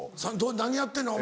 何やってんの？